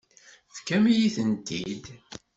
Tefkam-iyi-tent-id.